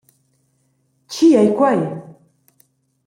Tgi ei quei?